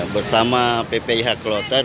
bersama ppih kelotar